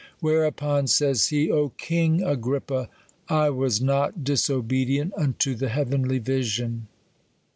" Whereupon," says he, " O king Agrippa, I was not disobedient unto the heav enly vision."